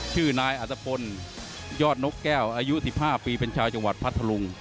ชื่อนายอัตภพลยอดนกแก้วอายุ๑๕ปีเป็นชาวจังหวัดพัทธลุง